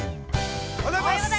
◆おはようございます。